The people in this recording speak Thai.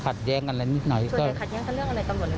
ขัดแย้งกับเรื่องอะไรตำรวจน้องครับ